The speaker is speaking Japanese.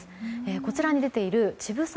こちらに出ている乳房